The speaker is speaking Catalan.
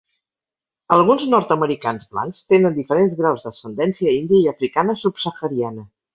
Alguns nord-americans blancs tenen diferents graus d'ascendència índia i africana subsahariana.